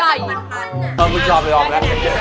รอไปรอเนื้อเกินตะเก่ง